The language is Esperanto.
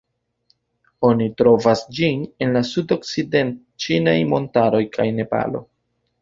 Oni trovas ĝin en la Sudokcident-ĉinaj Montaroj kaj Nepalo.